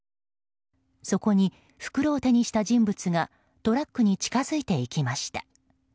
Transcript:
そこに、袋を手にした人物がトラックに近づいていきました。